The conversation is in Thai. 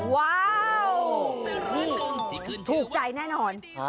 ว้าวถูกใจแน่นอน